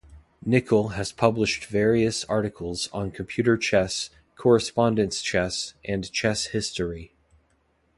Nickel has published various articles on computer chess, correspondence chess and chess history.